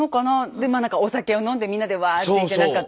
でなんかお酒を飲んでみんなでわっていってなんかって。